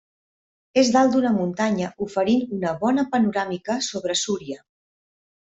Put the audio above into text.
És dalt d'una muntanya oferint una bona panoràmica sobre Súria.